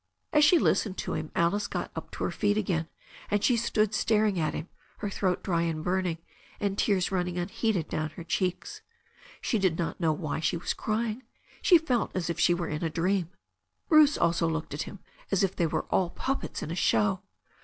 As she listened to him Alice got to her feet again, and she stood staring at him, her throat dry and burning, and tears running unheeded down her cheeks. She did not know why she was crying. She still felt as if she were in a dream. Bruce also looked at him as if they were all puppets in a show.